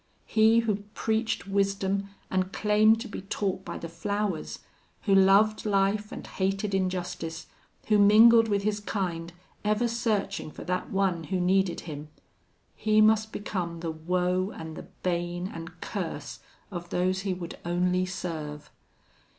He who preached wisdom and claimed to be taught by the flowers, who loved life and hated injustice, who mingled with his kind, ever searching for that one who needed him, he must become the woe and the bane and curse of those he would only serve!